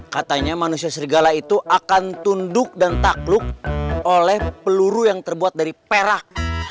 katanya manusia serigala itu akan tunduk dan takluk oleh peluru yang terbuat dari perak